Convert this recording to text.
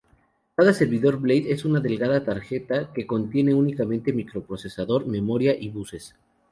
Cada servidor blade es una delgada "tarjeta" que contiene únicamente microprocesador, memoria y buses.